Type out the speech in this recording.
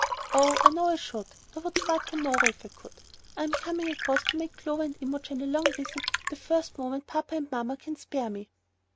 "Oh, I know I should. I would start to morrow, if I could. I'm coming across to make Clover and Imogen a long visit the first moment that papa and mamma can spare me."